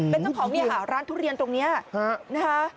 เป็นเจ้าของเนี่ยค่ะร้านทุเรียนตรงนี้นะคะ